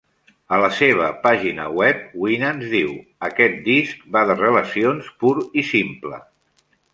A la seva pàgina web, Winans diu: "Aquest disc va de relacions, pur i simple".